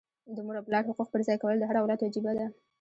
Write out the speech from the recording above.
د مور او پلار حقوق پرځای کول د هر اولاد وجیبه ده.